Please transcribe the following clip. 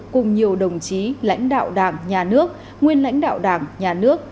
cùng nhiều đồng chí lãnh đạo đảng nhà nước nguyên lãnh đạo đảng nhà nước